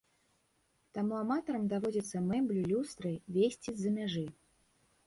Таму аматарам даводзіцца мэблю, люстры везці з-за мяжы.